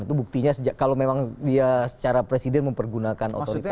itu buktinya kalau memang dia secara presiden mempergunakan otoritas